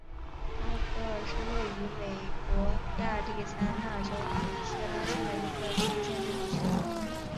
达格尔是位于美国亚利桑那州希拉县的一个非建制地区。